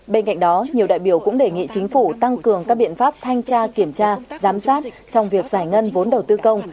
bên cạnh đó nhiều đại biểu cũng đề nghị chính phủ tăng cường các biện pháp thanh tra kiểm tra giám sát trong việc giải ngân vốn đầu tư công